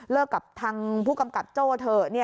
กับทางผู้กำกับโจ้เถอะ